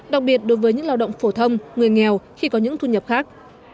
đặc biệt đối với những lao động phổ thông người nghèo khi có những thu nhập khác